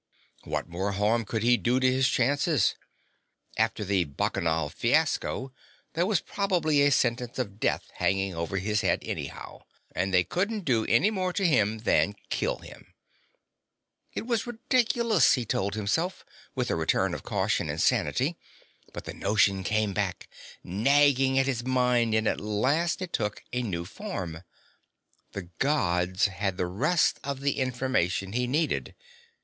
What more harm could he do to his chances? After the Bacchanal fiasco, there was probably a sentence of death hanging over his head anyhow. And they couldn't do any more to him than kill him. It was ridiculous, he told himself, with a return of caution and sanity. But the notion came back, nagging at his mind, and at last it took a new form. The Gods had the rest of the information he needed.